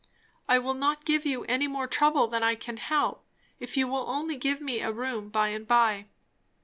"I will not give you any more trouble than I can help if you will only give me a room by and by."